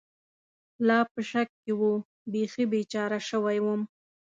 لا په شک کې و، بېخي بېچاره شوی ووم.